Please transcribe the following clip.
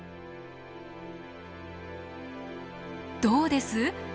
どうです？